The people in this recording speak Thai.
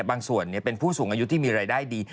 บางส่วนเป็นผู้สูงอายุที่มีรายได้ดี